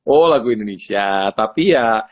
oh lagu indonesia tapi ya